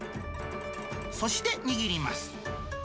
そして握ります。